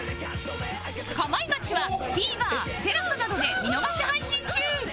『かまいガチ』は ＴＶｅｒＴＥＬＡＳＡ などで見逃し配信中